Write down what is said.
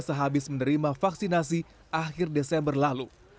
sehabis menerima vaksinasi akhir desember lalu